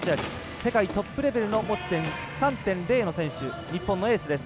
世界トップレベルの持ち点３．０を持っている日本のエースです。